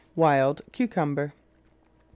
Wild Cucumber. No.